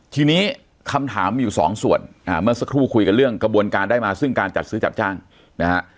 ทีนี้คำถามมีอยู่สองส่วนเมื่อสักครู่คุยกันเรื่องกระบวนการได้มาซึ่งการจัดซื้อจัดจ้างนะฮะ